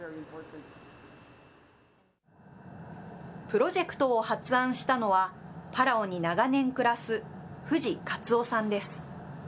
プロジェクトを発案したのは、パラオに長年暮らす藤勝雄さんです。